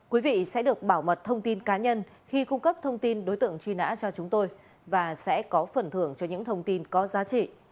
quý vị sẽ được bảo mật thông tin cá nhân khi cung cấp thông tin đối tượng truy nã cho chúng tôi và sẽ có phần thưởng cho những thông tin có giá trị